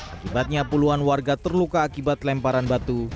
akibatnya puluhan warga terluka akibat lemparan batu